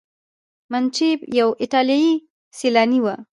منوچي یو ایټالیایی سیلانی و.